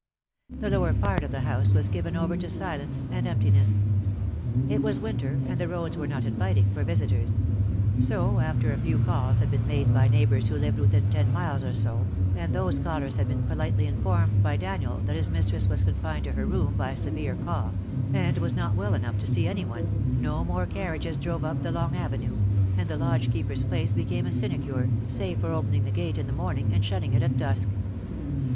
The lower part of the house was given over to silence and emptiness. It was winter, and the roads were not inviting for visitors ; so, after a few calls had been made by neighbours who lived within ten miles or so, and those callers had been politely informed by Daniel that his mistress was confined to her room by a severe cough, and was not well enough to see any one, no more carriages drove up the long avenue, and the lodge keeper^s place became a sinecure, save for opening the gate in the morning, and shutting it at dusk.